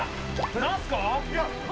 ・何すか？